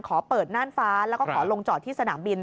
ขอเปิดน่านฟ้าแล้วก็ขอลงจอดที่สนามบิน